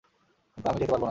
কিন্তু আমি যেতে পারবো না।